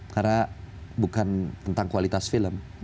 karena bukan tentang kualitas film